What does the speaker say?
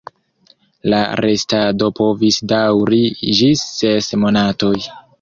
La restado povis daŭri ĝis ses monatoj.